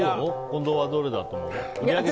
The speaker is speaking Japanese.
近藤はどれだと思う？